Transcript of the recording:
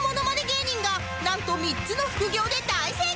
芸人がなんと３つの副業で大成功！